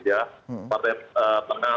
ya partai tengah